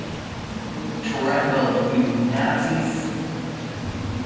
Tremble, you Nazis!